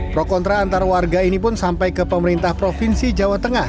pro kontra antar warga ini pun sampai ke pemerintah provinsi jawa tengah